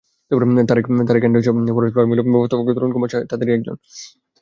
Tarak and Paras flower মিলের ব্যবস্থাপক তরুণ কুমার সাহা তাঁদেরই একজন।